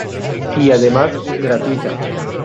Y además, gratuita.